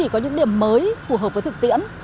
có những điểm mới phù hợp với thực tiễn